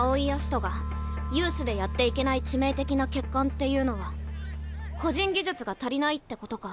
葦人がユースでやっていけない致命的な欠陥っていうのは個人技術が足りないってことか？